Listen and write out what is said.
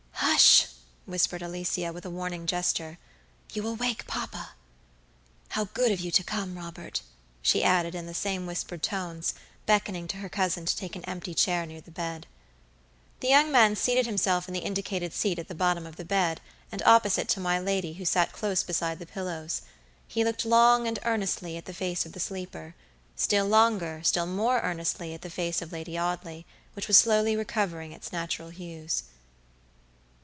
"Hush!" whispered Alicia, with a warning gesture; "you will wake papa. How good of you to come, Robert," she added, in the same whispered tones, beckoning to her cousin to take an empty chair near the bed. The young man seated himself in the indicated seat at the bottom of the bed, and opposite to my lady, who sat close beside the pillows. He looked long and earnestly at the face of the sleeper; still longer, still more earnestly at the face of Lady Audley, which was slowly recovering its natural hues.